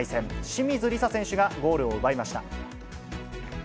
清水梨紗選手がゴールを奪いました。